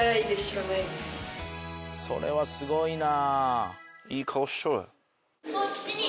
それはすごいな。